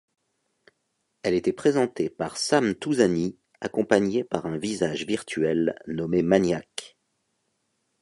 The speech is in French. Elle était présentée par Sam Touzani, accompagné par un visage virtuel nommé Maniak.